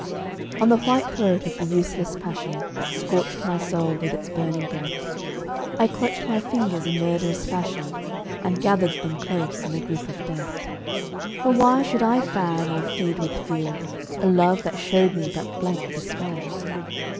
On the white throat of the' useless passion That scorched my soul with its burning breath I clutched my fingers in murderous fashion, And gathered them close in a grip of death; For why should I fan, or feed with fuel, A love that showed me but blank despair?